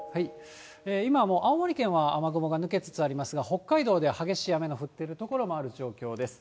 今もう青森県は雨雲が抜けつつありますが、北海道で激しい雨の降っている所もある状況です。